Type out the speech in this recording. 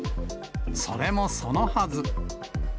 それもそのはず。